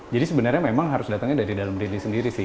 jadi sebenarnya memang harus datangnya dari dalam diri sendiri sih